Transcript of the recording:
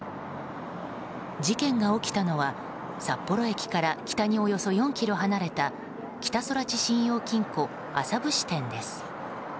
事件が起きたのは、札幌駅から北におよそ４ｋｍ離れた北空知信用金庫麻生支店です。